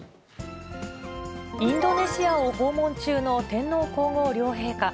インドネシアを訪問中の天皇皇后両陛下。